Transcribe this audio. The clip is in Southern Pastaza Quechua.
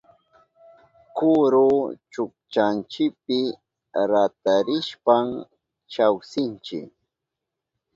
Kuru chukchanchipi ratarishpan chawsinchi.